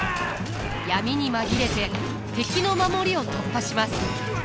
闇に紛れて敵の守りを突破します。